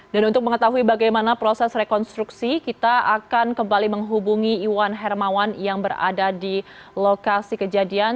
dan untuk mengetahui bagaimana proses rekonstruksi kita akan kembali menghubungi iwan hermawan yang berada di lokasi kejadian